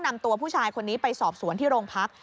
นำตัวผู้ชายคนนี้ไปสอบสวนที่โรงพัก